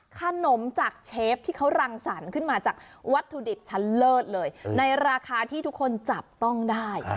ขนมจากเชฟที่เขารังสรรค์ขึ้นมาจากวัตถุดิบชั้นเลิศเลยในราคาที่ทุกคนจับต้องได้